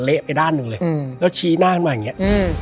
เหละไปด้านหนึ่งเลยแล้วชี้หน้ามาอย่างเงี้ย